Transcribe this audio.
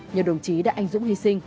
nhờ đồng chí đã anh dũng hy sinh